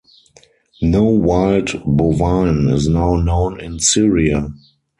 No wild bovine is now known in Syria.